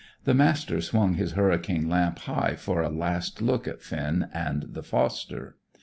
The Master swung his hurricane lamp high for a last look at Finn and the foster.